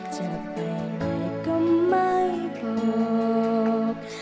จะไปไหนก็ไม่บอก